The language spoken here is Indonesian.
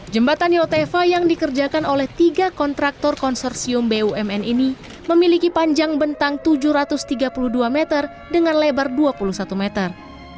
jembatan yotefa yang dikerjakan oleh tiga kontraktor konsorsium bumn ini memiliki panjang bentang tujuh ratus tiga puluh dua meter dengan lebar dua puluh satu meter